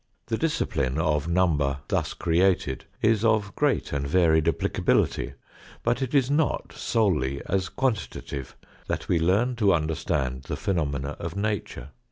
The discipline of number thus created is of great and varied applicability, but it is not solely as quantitative that we learn to understand the phenomena of nature.